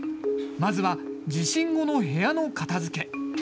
まずは地震後の部屋の片づけ。